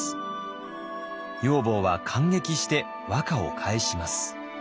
女房は感激して和歌を返します。